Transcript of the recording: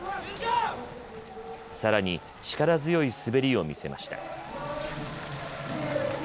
さらに力強い滑りを見せました。